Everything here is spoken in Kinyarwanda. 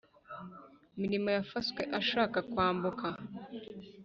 mirimo yafaswe ashaka kwambuka